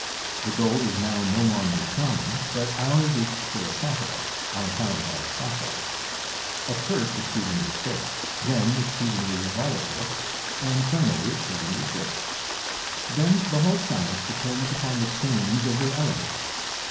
The gold is now no longer common, but ours is philosophical, on account of our processes : a1 first exceedingly fixed ; then exceedingly volatile, anc finally exceedingly fixed ; and the whole science de pends upon the change of the elements.